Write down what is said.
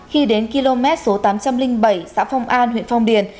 khi đến km số tám trăm linh bảy xã phong an huyện phong điền